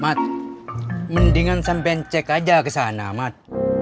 mat mendingan sampian cek aja ke sana mat